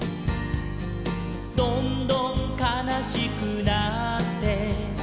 「どんどんかなしくなって」